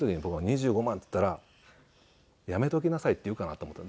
僕が２５万って言ったら「やめときなさい」って言うかなと思った。